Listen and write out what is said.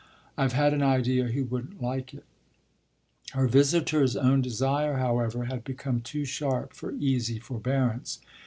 "I've had an idea he wouldn't like it." Her visitor's own desire, however, had become too sharp for easy forbearance.